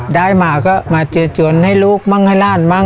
ได้มาก็มาเจริญให้ลูกมั้งให้ลาดมั้ง